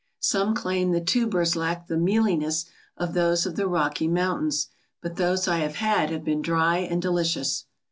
Some claim the tubers lack the mealiness of those of the Rocky Moun tains, but those I have had have been dry and delicious.